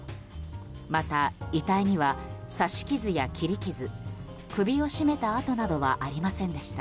また、遺体には刺し傷や切り傷首を絞めた痕などはありませんでした。